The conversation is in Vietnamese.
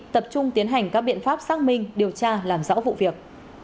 tập trung tiến hành các biện pháp xác minh điều tra làm rõ vụ việc